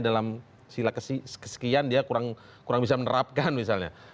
dalam sila kesekian dia kurang bisa menerapkan misalnya